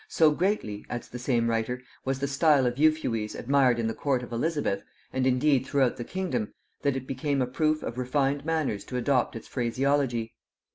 "So greatly," adds the same writer, "was the style of Euphues admired in the court of Elizabeth, and, indeed, throughout the kingdom, that it became a proof of refined manners to adopt its phraseology.